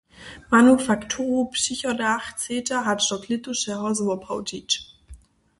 Manufakturu přichoda chcedźa hač do klětušeho zwoprawdźić.